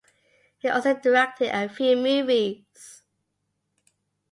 He also directed a few movies.